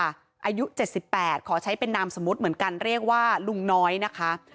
อายุ๗๘ขอใช้เป็นนามสมมุติเหมือนกันเรียกว่าลุงน้อยนะคะ